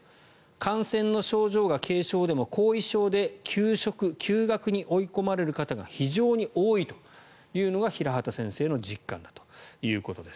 感染の症状が軽症でも後遺症で休職、休学に追い込まれる方が非常に多いというのが平畑先生の実感だということです。